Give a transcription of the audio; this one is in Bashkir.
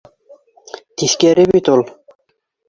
Тиҫкәре бит ул